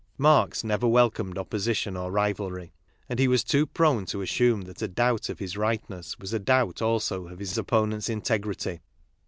Marx never welcomed opposition or rivalry ; and he was too prone to assume that a doubt of his right ness was a doubt also of his opponent's integrity.